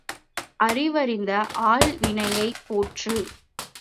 அறிவறிந்த ஆள்வினையைப் போற்று!